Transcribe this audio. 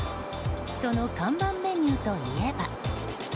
その看板メニューといえば。